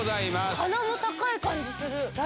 鼻が高い感じする。